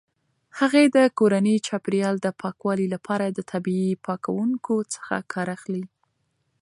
هغې د کورني چاپیریال د پاکوالي لپاره د طبیعي پاکونکو څخه کار اخلي.